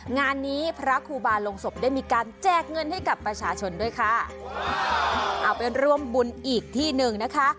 งานนี้พระครูบาลงศพได้มีการแจกเงินให้กับประชาชนด้วยค่ะเอาไปร่วมบุญอีกที่หนึ่งนะคะ